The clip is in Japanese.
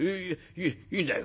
いやいいんだよ」。